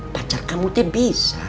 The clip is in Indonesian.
pacar kamu teh bisa